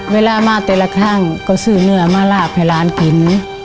เวลามาแต่ละครั้งก็ซื้อเนื้อมาลาบให้หลานกิน